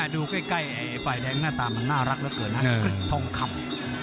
ดูใกล้ไฟแดงหน้าตามันน่ารักเกินนะกริดทองคำ